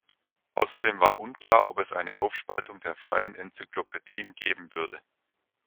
Außerdem war unklar, ob es eine Aufspaltung der freien Enzyklopädien geben würde.